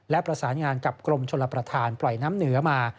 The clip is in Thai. และประสานงานกับกรมชลประธานปล่อยน้ำเหนือมา